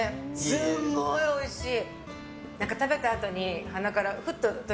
すんごいおいしい！